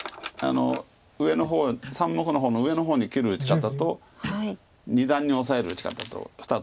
上の方３目の方の上の方に切る打ち方と二段にオサえる打ち方と２通りです。